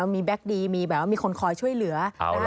มีแก๊คดีมีแบบว่ามีคนคอยช่วยเหลือ